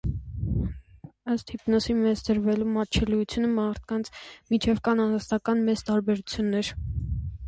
Ըստ հիպնոսի մեջ դրվելու մատչելիության, մարդկանց միջև կան անհատական մեծ տարբերություններ։